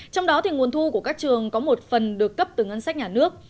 trong đó nguồn thu của các trường có một phần được cấp từ ngân sách nhà nước